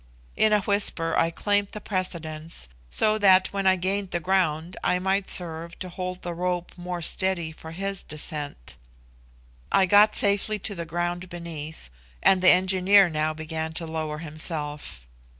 In a whisper I claimed the precedence, so that when I gained the ground I might serve to hold the rope more steady for his descent. I got safely to the ground beneath, and the engineer now began to lower himself.